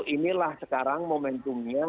inilah sekarang momentumnya